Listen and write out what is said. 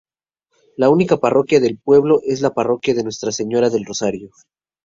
La Unica Parroquia del pueblo es la Parroquia Nuestra Señora del Rosario.